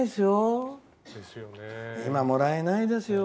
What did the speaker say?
もらえないですよ。